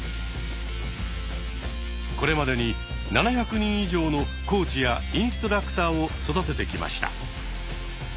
これまでに７００人以上のコーチやインストラクターを育ててきました。